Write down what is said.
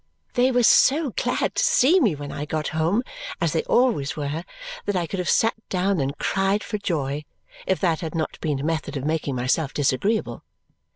They were so glad to see me when I got home, as they always were, that I could have sat down and cried for joy if that had not been a method of making myself disagreeable.